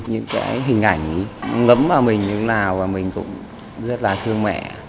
những cái hình ảnh ấy ngẫm vào mình như thế nào mà mình cũng rất là thương mẹ